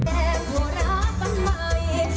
แม่ผัวรักปันใหม่